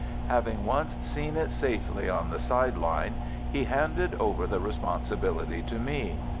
Having once seen it safely on the side line, he handed over the responsibility to me.